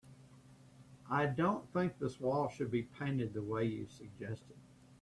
I don't think this wall should be painted the way you suggested.